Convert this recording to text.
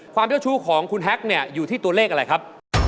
เจ้าชู้ของคุณแฮ็กเนี่ยอยู่ที่ตัวเลขอะไรครับ